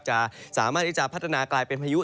จะสามารถที่จะพัฒนากลายเป็นพายุ